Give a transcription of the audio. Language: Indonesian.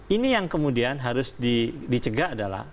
ini yang kemudian harus dicegah adalah